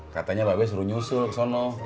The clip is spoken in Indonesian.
katanya pak be suruh nyusul kesana